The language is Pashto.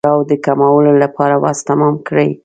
کړاو د کمولو لپاره وس تمام کړي.